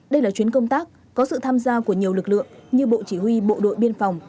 đây là chuyến công tác có sự tham gia của nhiều lực lượng như bộ chỉ huy bộ đội biên phòng